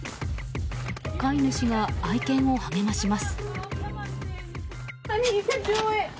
飼い主が愛犬を励まします。